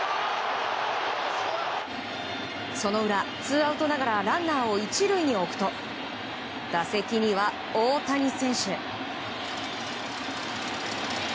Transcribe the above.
その裏、ツーアウトながらランナーを１塁に置くと打席には大谷選手。